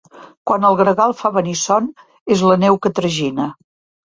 Quan el gregal fa venir son és la neu que tragina.